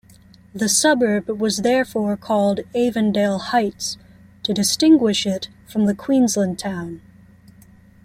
The suburb was therefore called Avondale Heights to distinguish it from the Queensland town.